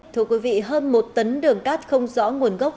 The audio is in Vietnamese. thưa quý vị hơn một tấn đường cát không rõ nguồn gốc